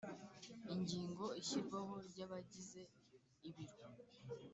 Ingingo ishyirwaho ry abagize ibiro